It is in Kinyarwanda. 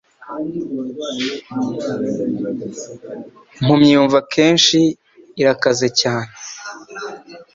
Impumyi yumva akenshi irakaze cyane